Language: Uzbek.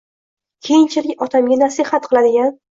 Keyinchalik otamga nasihat qiladigan